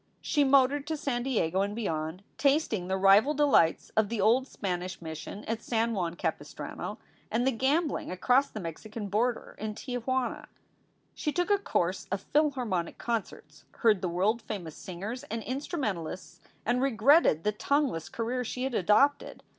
She motored to San Diego and beyond, tasting the rival delights of the old Spanish Mission at San Juan Capistrano, and the gambling across the Mexican border in Tia Juana. She took a course of Philharmonic concerts, heard the world famous singers and instrumentalists, and regretted the tongueless career she had adopted.